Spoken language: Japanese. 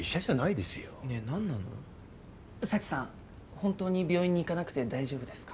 本当に病院行かなくて大丈夫ですか？